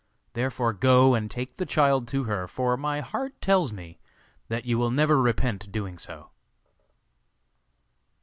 Therefore go and take the child to her, for my heart tells me that you will never repent doing so.